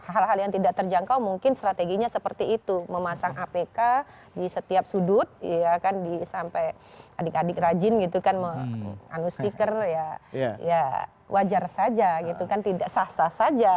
hal hal yang tidak terjangkau mungkin strateginya seperti itu memasang apk di setiap sudut ya kan sampai adik adik rajin gitu kan menganu stiker ya ya wajar saja gitu kan tidak sah sah saja